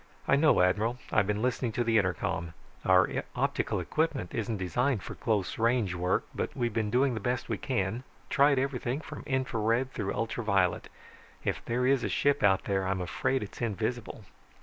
"I know, Admiral. I've been listening to the intercom. Our optical equipment isn't designed for close range work, but we've been doing the best we can, tried everything from infra red through ultra violet. If there is a ship out there I'm afraid it's invisible."